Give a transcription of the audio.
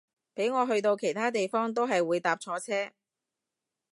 俾我去到其他地方都係會搭錯車